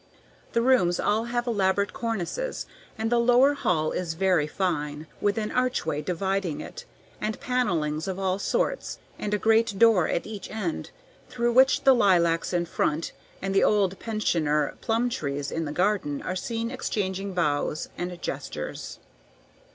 The rooms all have elaborate cornices, and the lower hall is very fine, with an archway dividing it, and panellings of all sorts, and a great door at each end, through which the lilacs in front and the old pensioner plum trees in the garden are seen exchanging bows and gestures.